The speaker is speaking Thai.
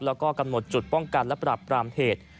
แล้วก็กำหนดจุดป้องกันและปรับปรามเหตุ